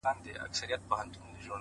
ښه ملګرتیا فکرونه لوړوي!